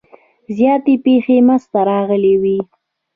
زیاتې پیښې منځته راغلي وي.